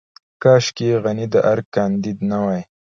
کاشکې غني د ارګ کانديد نه وای.